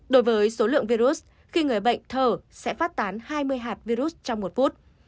đối với số lượng virus khi người bệnh thở sẽ phát tán hai mươi hạt virus trong một phút